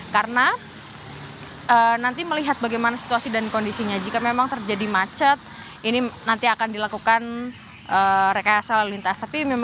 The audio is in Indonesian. karena nanti melihat bagaimana situasi dan kondisinya jika memang terjadi macet ini nanti akan dilakukan rekayasa lalu lintas